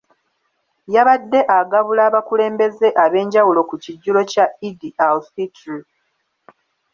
Yabadde agabula abakulembeze ab’enjawulo ku kijjulo kya Eid- al -fitr u.